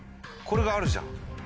これがあるじゃん